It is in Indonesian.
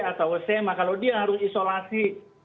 atau sma kalau dia harus isolasi